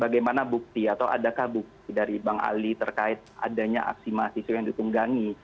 bagaimana bukti atau adakah bukti dari bang ali terkait adanya aksi mahasiswa yang ditunggangi